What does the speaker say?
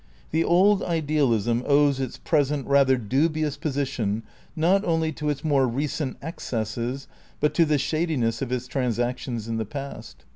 The Old Idealism owes its present rather dubious position not only to its more recent excesses, but to the shadiness of its transactions in the past.